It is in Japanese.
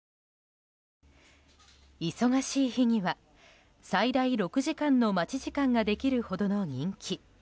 忙しい日には最大６時間の待ち時間ができるほどの人気。